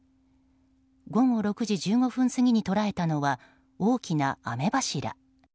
午後６時１５分過ぎに捉えたのは大きな雨柱。